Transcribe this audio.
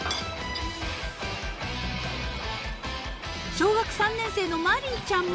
［小学３年生の月姫ちゃんも］